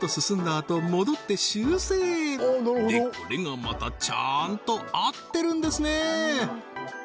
あと戻って修正でこれがまたちゃんと合ってるんですね！